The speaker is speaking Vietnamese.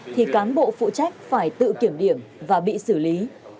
thì cán bộ phụ trách phải tự kiểm điểm và bị xử lý